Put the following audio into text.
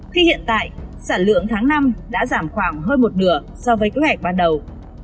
khi hiện tại sản lượng tháng năm đã giảm khoảng hơn một nửa so với kế hoạch ban đầu